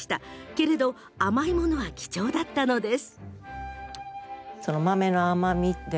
けれど甘いものは貴重だったのです。